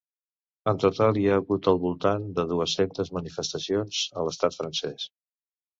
En total, hi ha hagut al voltant de dues-centes manifestacions a l’estat francès.